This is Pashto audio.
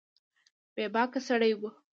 بې باکه سړی و